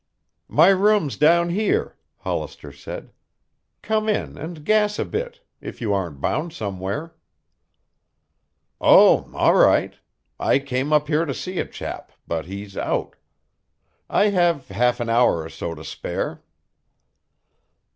"My room's down here," Hollister said. "Come in and gas a bit if you aren't bound somewhere." "Oh, all right. I came up here to see a chap, but he's out. I have half an hour or so to spare."